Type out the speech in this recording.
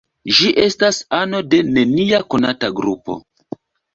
Ĝi estas ano de nenia konata grupo.